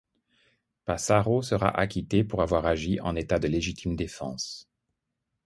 Passaro sera acquitté pour avoir agi en état de légitime défense.